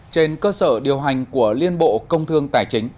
trên cơ sở điều hành của liên bộ công thương tài chính